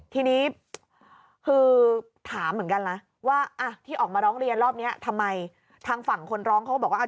ทีนี้คือถามเหมือนกันนะว่าที่ออกมาร้องเรียนรอบนี้ทำไมทางฝั่งคนร้องเขาก็บอกว่า